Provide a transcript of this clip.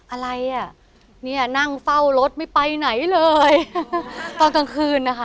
อะไรอ่ะเนี่ยนั่งเฝ้ารถไม่ไปไหนเลยตอนกลางคืนนะคะ